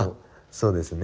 そうですね。